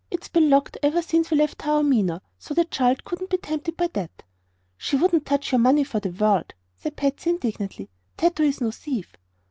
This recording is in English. "It's been locked ever since we left Taormina, so the child couldn't be tempted by that." "She wouldn't touch your money for the world!" said Patsy, indignantly. "Tato is no thief!"